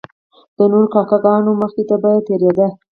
د نورو کاکه ګانو مخې ته به تیریدی.